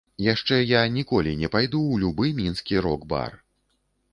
Яшчэ я ніколі не пайду ў любы мінскі рок-бар.